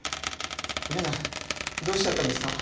皆さんどうしちゃったんですか？